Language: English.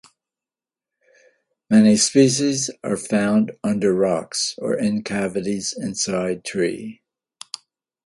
Many species are found under rocks or in cavities inside tree.